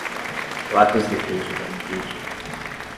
Placas de vídeo da Nvidia.